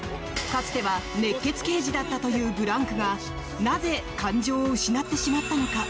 かつては熱血刑事だったというブランクがなぜ感情を失ってしまったのか。